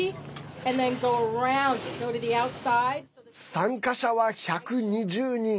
参加者は１２０人。